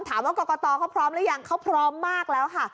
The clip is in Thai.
ถามว่ากรกตเขาพร้อมหรือยังเขาพร้อมมากแล้วค่ะ